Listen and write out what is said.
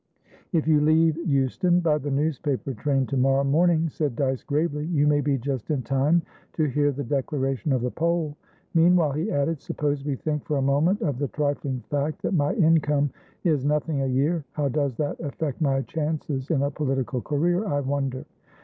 "If you leave Euston by the newspaper train to morrow morning," said Dyce, gravely, "you may be just in time to hear the declaration of the poll. Meanwhile," he added, "suppose we think for a moment of the trifling fact that my income is nothing a year. How does that affect my chances in a political career, I wonder?"